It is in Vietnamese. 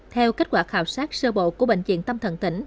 theo kết quả khảo sát sơ bộ của bệnh viện tâm thần tỉnh